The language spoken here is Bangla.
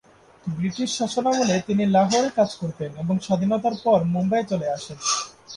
ব্রিটিশ শাসনামলে তিনি লাহোরে কাজ করতেন এবং স্বাধীনতার পরে মুম্বাইয়ে চলে আসেন।